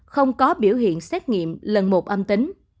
không có biểu hiện xét nghiệm lần một âm tính